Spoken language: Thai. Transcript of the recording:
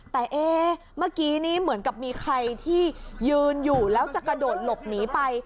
แต่เอ๊เมื่อกี้นี้เหมือนกับมีใครที่ยืนอยู่แล้วจะกระโดดหลบหนีไป